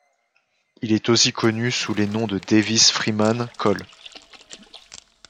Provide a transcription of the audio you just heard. Il est aussi connu sous les noms de Davis freeman, Col.